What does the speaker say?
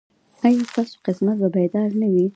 ایا ستاسو قسمت به بیدار نه وي؟